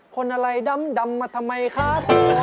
คนอะไรดำดำมาทำไมคะโท